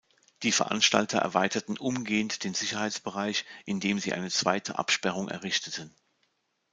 Die Veranstalter erweiterten umgehend den Sicherheitsbereich, indem sie eine zweite Absperrung errichteten.